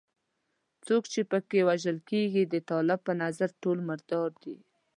څوک چې په کې وژل کېږي د طالب په نظر ټول مردار دي.